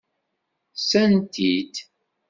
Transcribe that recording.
Ssan-t-id.